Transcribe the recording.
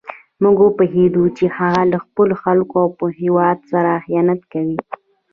موږ پوهېدو چې هغه له خپلو خلکو او هېواد سره خیانت کوي.